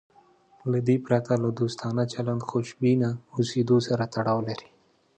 له دې پرته له دوستانه چلند خوشبینه اوسېدو سره تړاو لري.